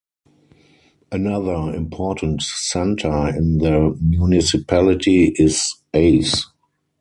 Another important center in the municipality is Aves.